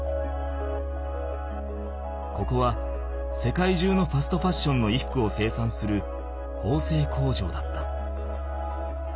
ここは世界中のファストファッションの衣服を生産するほうせい工場だった。